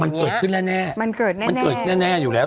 มันเกิดขึ้นแน่มันเกิดแน่อยู่แล้ว